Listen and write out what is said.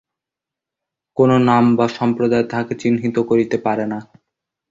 কোন নাম বা সম্প্রদায় তাঁহাকে চিহ্নিত করিতে পারে না।